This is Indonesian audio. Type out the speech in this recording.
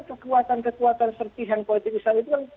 kekuatan kekuatan sertih yang politik islam itu